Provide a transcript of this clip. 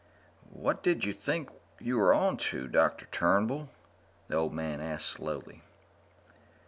"What did you think you were on to, Dr. Turnbull?" the old man asked slowly.